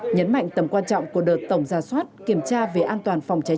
nhấn mạnh tầm quan trọng của đợt tổng ra soát kiểm tra về an toàn phòng cháy